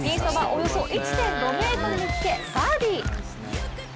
およそ１．５ｍにつけバーディー。